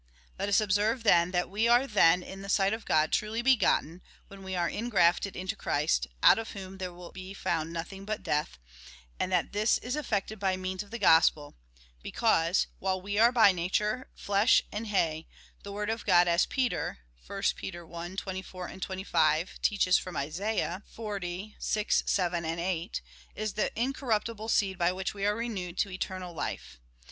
^ Let us observe, then, that we are then in the sight of God truly begotten, when we are ingrafted into Christ, out of whom there will be found nothing but death, and that this is effected by means of the gospel, because, while we are by nature flesh and hay, the word of God, as Peter (1 Peter i. 24, 25) teaches from Isaiah, (xl. 6, 7, 8,) is the incorruptible seed by which we are renewed to eternal life.